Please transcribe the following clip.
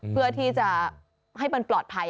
เพื่อที่จะให้มันปลอดภัย